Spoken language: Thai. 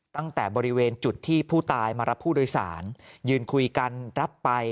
ตั้งแต่บริเวณจุดที่ผู้ตายมารับผู้โดยสารยืนคุยกันรับไป